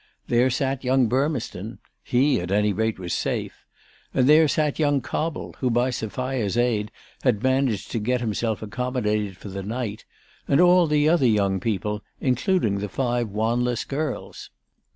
There sat young Burmeston. He at any rate was safe. And there sat young Cobble, who by Sophia's aid had managed to get himself accommodated for the night, and all the other young people, including the five Wanless girls.